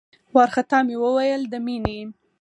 وارخطا مې وويل د مينې.